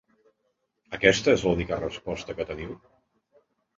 Aquesta és l’única resposta que teniu.